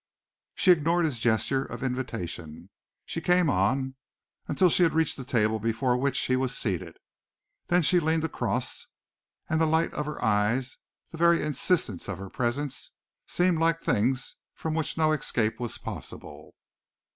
She ignored his gesture of invitation. She came on until she had reached the table before which he was seated. Then she leaned across, and the light of her eyes, the very insistence of her presence, seemed like things from which no escape was possible.